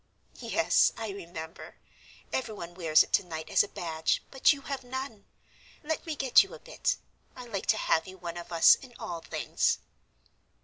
"Yes, I remember. Everyone wears it tonight as a badge, but you have none. Let me get you a bit, I like to have you one of us in all things."